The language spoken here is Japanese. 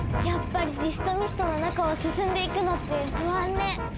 やっぱりディストミストの中を進んでいくのって不安ね。